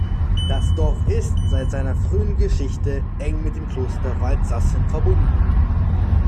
Das Dorf ist seit seiner frühen Geschichte eng mit dem Kloster Waldsassen verbunden.